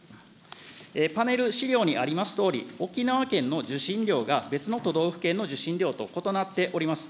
パネル、資料にありますとおり、沖縄県の受信料が別の都道府県の受信料と異なっております。